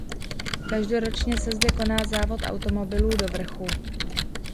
Každoročně se zde koná závod automobilů do vrchu.